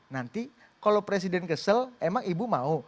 nanti kalau presiden kesel emang ibu mau